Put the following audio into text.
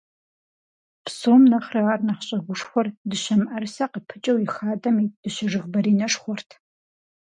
Псом нэхърэ ар нэхъ щӀэгушхуэр дыщэ мыӀэрысэ къыпыкӀэу и хадэм ит дыщэ жыг баринэшхуэрт.